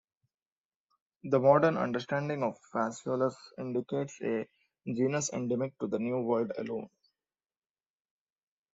The modern understanding of "Phaseolus" indicates a genus endemic to the New World alone.